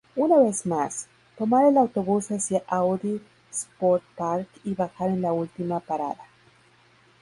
Una vez más, tomar el autobús hacia Audi-Sportpark y bajar en la última parada.